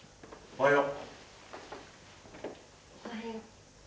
おはよう。